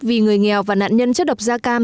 vì người nghèo và nạn nhân chất độc da cam